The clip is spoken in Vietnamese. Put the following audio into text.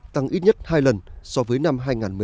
tăng ít nhất hai lần so với năm hai nghìn một mươi bảy